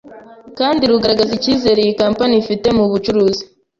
kandi rugaragaza ikizere iyi kopmpanyi ifite mu bucuruzi